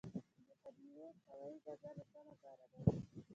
دهدادي هوايي ډګر د څه لپاره دی؟